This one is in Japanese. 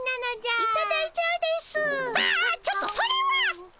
ああちょっとそれは！